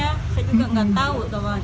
saya juga nggak tahu